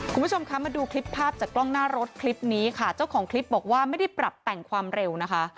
คุณผู้ชมคะมาดูคลิปภาพจากกล้องหน้ารถคลิปนี้ค่ะเจ้าของคลิปบอกว่าไม่ได้ปรับแต่งความเร็วนะคะ